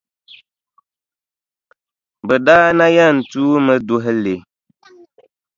Bɛ daa na yɛn tuumi duhi li.